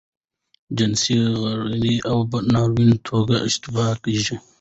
جنسی غریزه ئې په ناروا توګه اشباه کیږي.